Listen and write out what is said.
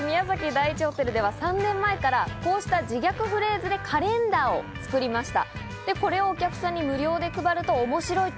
第一ホテルでは３年前からこうした自虐フレーズでカレンダーを作りました。